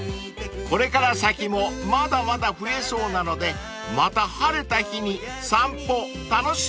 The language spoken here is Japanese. ［これから先もまだまだ増えそうなのでまた晴れた日に散歩楽しみましょう］